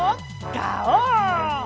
ガオー！